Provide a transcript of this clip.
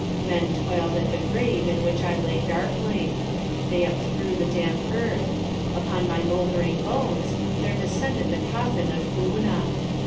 Men toiled at the grave in which I lay darkling. They upthrew the damp earth. Upon my mouldering bones there descended the coffin of Una.